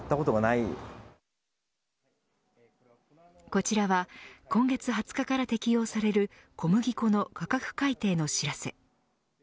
こちらは、今月２０日から適用される小麦粉の価格改定の知らせ。